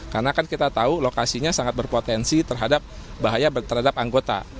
karena kan kita tahu lokasinya sangat berpotensi terhadap bahaya terhadap anggota